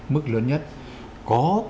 mức lớn nhất có